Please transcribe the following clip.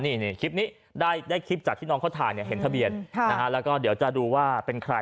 นี่คลิปนี้ได้คลิปจากที่น้องเขาถ่ายเนี่ยเห็นทะเบียนแล้วก็เดี๋ยวจะดูว่าเป็นใคร